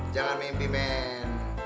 jangan mimpi men